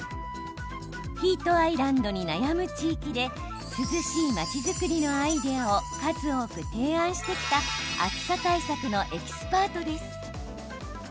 ヒートアイランドに悩む地域で涼しい街づくりのアイデアを数多く提案してきた暑さ対策のエキスパートです。